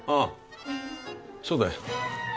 そうだよ。